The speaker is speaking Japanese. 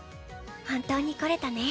本当に来れたね。